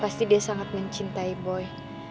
pasti dia sangat mencintai boy